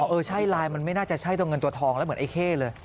เออใช่ไลน์มันไม่น่าจะใช่ตัวเงินตัวทองแล้วเหมือนไอ้เข้เลย